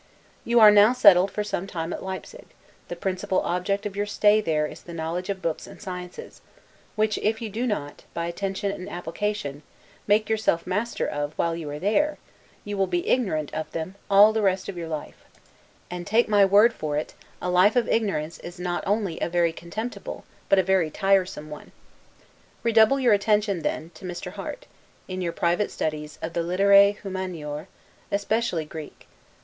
You are now settled for some time at Leipsig; the principal object of your stay there is the knowledge of books and sciences; which if you do not, by attention and application, make yourself master of while you are there, you will be ignorant of them all the rest of your life; and, take my word for it, a life of ignorance is not only a very contemptible, but a very tiresome one. Redouble your attention, then, to Mr. Harte, in your private studies of the 'Literae Humaniores,' especially Greek.